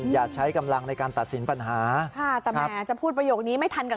อย่าใช้กำลังในการตัดสินปัญหาค่ะแต่แหมจะพูดประโยคนี้ไม่ทันกับ